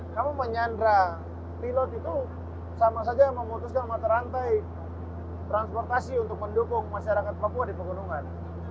kamu menyandra pilot itu sama saja memutuskan mata rantai transportasi untuk mendukung masyarakat papua di pegunungan